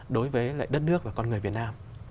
đối với đất nước và con người việt nam